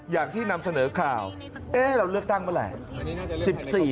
อย่างที่นำเสนอข่าวเอ๊ะเราเลือกตั้งไปแหละ